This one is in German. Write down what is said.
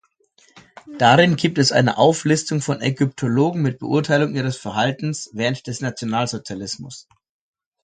Darin gibt es eine Auflistung von Ägyptologen mit Beurteilung ihres Verhaltens während des Nationalsozialismus.